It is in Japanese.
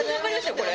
これ。